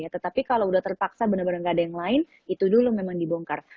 tetapi kalau udah terpaksa benar benar nggak ada yang lain itu dulu memang dibongkar